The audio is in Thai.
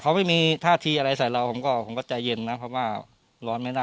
เขาไม่มีท่าทีอะไรใส่เราผมก็ใจเย็นนะเพราะว่าร้อนไม่ได้